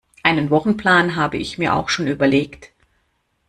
Einen Wochenplan habe ich mir auch schon überlegt